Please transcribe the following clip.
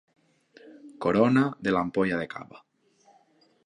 Corona de l'ampolla de cava.